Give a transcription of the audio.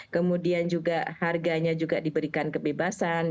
kemudian juga harganya juga diberikan kebebasan